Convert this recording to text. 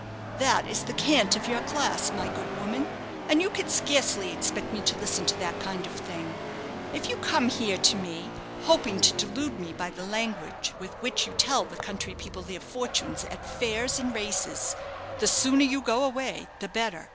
"That is the cant of your class, my good woman; and you can scarcely expect me to listen to that kind of thing. If you come here to me, hoping to delude me by the language with which you tell the country people their fortunes at fairs and races, the sooner you go away the better.